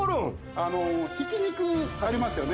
あのひき肉ありますよね